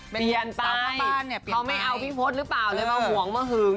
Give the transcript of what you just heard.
บ้านเนี่ยเขาไม่เอาพี่พศหรือเปล่าเลยมาห่วงมาหึง